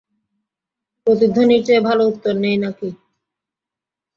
প্রতিধ্বনির চেয়ে ভালো উত্তর নেই না কি?